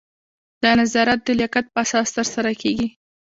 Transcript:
دا نظارت د لیاقت په اساس ترسره کیږي.